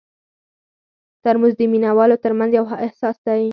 ترموز د مینه والو ترمنځ یو احساس دی.